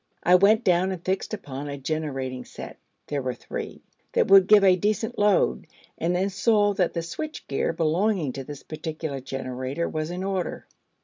I went down, and fixed upon a generating set there were three that would give a decent load, and then saw that the switch gear belonging to this particular generator was in order.